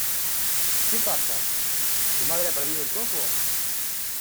¿ Qué pasa? ¿ su madre ha perdido el coco ?